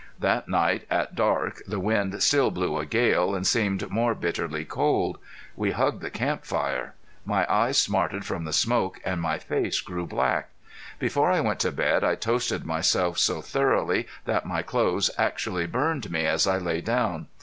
That night at dark the wind still blew a gale, and seemed more bitterly cold. We hugged the camp fire. My eyes smarted from the smoke and my face grew black. Before I went to bed I toasted myself so thoroughly that my clothes actually burned me as I lay down.